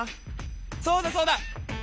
そうだそうだ！